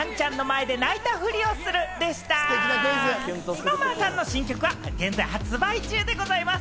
ＳｎｏｗＭａｎさんの新曲は現在、発売中でございます。